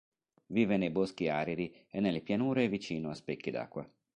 Vive nei boschi aridi e nelle pianure vicino a specchi d'acqua.